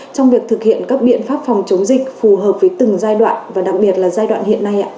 trong việc thực hiện các biện pháp phòng chống dịch phù hợp với từng giai đoạn và đặc biệt là giai đoạn hiện nay ạ